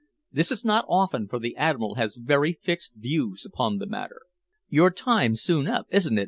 This is not often, for the Admiral has very fixed views upon the matter. "Your time's soon up, isn't it?"